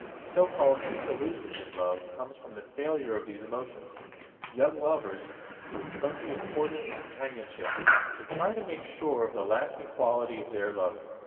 So called disillusion in love comes from the failure of these emotions. Young lovers, through plenty of courting and companionship, should try to make sure of the lasting quality of their love.